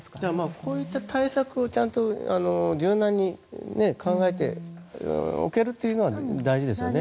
こういった対策をちゃんと柔軟に考えておけるというのは大事ですよね。